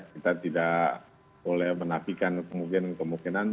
kita tidak boleh menafikan kemungkinan kemungkinan